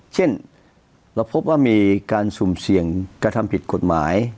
เช่นเราพบว่ามีการสุ่มเสี่ยงกระทำผิดกฎหมาย